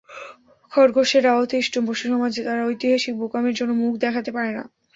খরগোশেরা অতিষ্ঠ, পশুসমাজে তারা ঐতিহাসিক বোকামির জন্য মুখ দেখাতে পারে না।